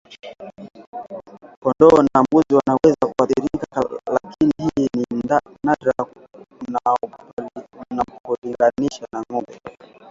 Kondoo na mbuzi wanaweza kuathiriwa lakini hili ni nadra unapolinganisha na ngombe